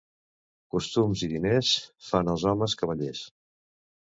Costums i diners fan els homes cavallers.